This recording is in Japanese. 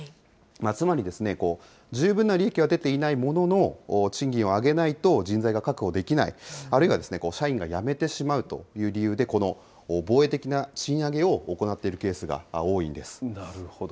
つまり、十分な利益が出ていないものの、賃金を上げないと人材が確保できない、あるいは社員が辞めてしまうという理由で、この防衛的な賃上げをなるほど。